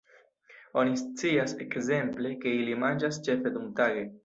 Oni scias ekzemple, ke ili manĝas ĉefe dumtage.